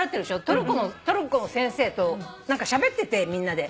トルコの先生としゃべっててみんなで。